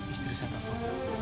istri saya telepon